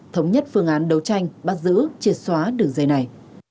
thống nhất phương án đấu tranh bắt giữ triệt xóa đường dây này